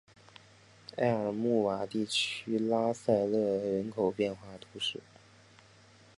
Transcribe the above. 埃尔穆瓦地区拉塞勒人口变化图示